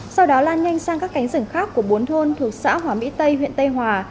canh sang các cánh rừng khác của bốn thôn thuộc xã hòa mỹ tây huyện tây hòa